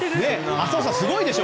浅尾さん、すごいでしょ？